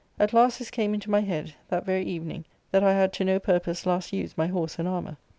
At last this came into my head, that very evening that I had to no purpose last used my horse and armour.